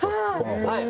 はい！